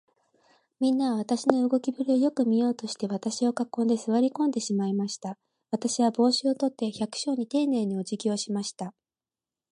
みんなは、私の動きぶりをよく見ようとして、私を囲んで、坐り込んでしまいました。私は帽子を取って、百姓にていねいに、おじぎをしました。